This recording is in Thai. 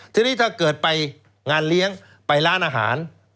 ทีนี้ถ้าเกิดไปงานเลี้ยงไปร้านอาหาร